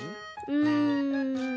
うん。